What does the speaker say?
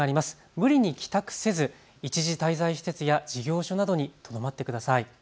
無理に帰宅せず一時滞在施設や事業所などにとどまってください。